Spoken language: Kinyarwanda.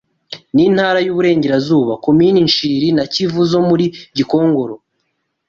N’intara y’u Buyenzi (Komini Nshiri na Kivu zo muri Gikongoro)